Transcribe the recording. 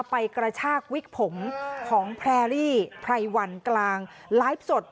กระชากวิกผมของแพรรี่ไพรวันกลางไลฟ์สด